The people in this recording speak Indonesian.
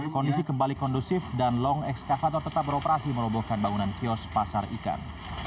kondisi kembali kondusif dan long excavator tetap beroperasi merobohkan bangunan kios pasar ikan